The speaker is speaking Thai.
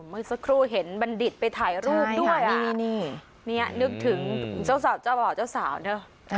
เมื่อสักครู่เห็นบัณฑิตไปถ่ายรูปด้วยนี่นึกถึงเจ้าสาวเจ้าบ่าวเจ้าสาวเนอะ